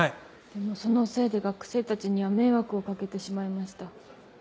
でもそのせいで学生たちには迷惑をかけてしまいました。